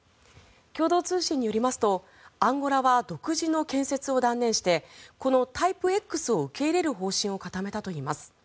共同通信によりますとアンゴラは独自の建設を断念してこのタイプＸを受け入れる方針を固めたといいます。